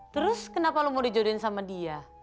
terus kenapa lo mau dijodohin sama dia